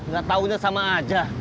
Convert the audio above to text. gak tau apa apa